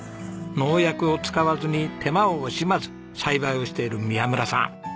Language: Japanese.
農薬を使わずに手間を惜しまず栽培をしている宮村さん。